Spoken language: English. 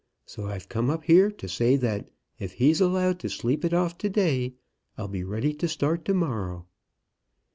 So I've come up here to say that if he's allowed to sleep it off to day, I'll be ready to start to morrow."